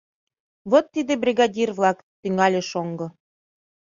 — Вот тыге, бригадир-влак, — тӱҥале шоҥго.